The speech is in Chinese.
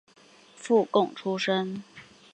附贡出身。